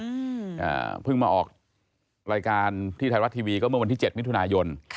อ่าเพิ่งมาออกรายการที่ไทยรัฐทีวีก็เมื่อวันที่เจ็ดมิถุนายนค่ะ